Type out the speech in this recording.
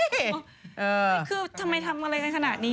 คือทำไมทำอะไรกันขนาดนี้